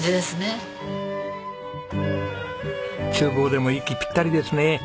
厨房でも息ピッタリですね。